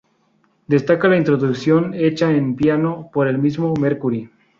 Destaca la introducción hecha en piano por el mismo Mercury.